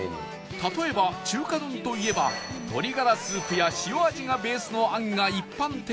例えば中華丼といえば鶏ガラスープや塩味がベースのあんが一般的だが